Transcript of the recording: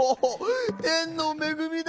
天のめぐみだ！